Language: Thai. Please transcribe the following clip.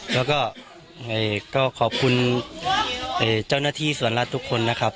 แล้วก็ขอบคุณเจ้าหน้าที่ส่วนรัฐทุกคนนะครับ